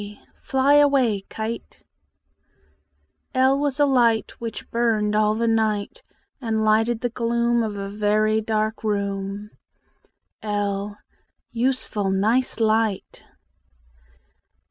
k Fly away, kite! L was a light Which burned all the night, And lighted the gloom Of a very dark room. l Useful nice light!